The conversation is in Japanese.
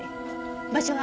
場所は？